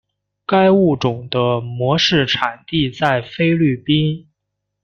该物种的模式产地在菲律宾。